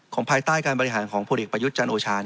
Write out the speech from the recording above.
ภายใต้การบริหารของพลเอกประยุทธ์จันทร์โอชา